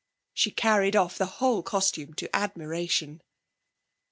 She carried off the whole costume to admiration.